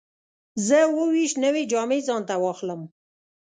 زه اووه ویشت نوې جامې ځان ته واخلم.